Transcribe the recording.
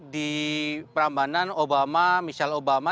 di perambanan obama michelle obama